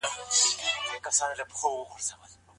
بخښنه کول د زړورو او لويو انسانانو کار دی.